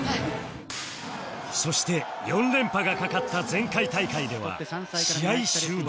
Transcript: そして４連覇がかかった前回大会では試合終盤